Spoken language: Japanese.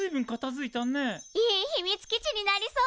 いい秘密基地になりそう！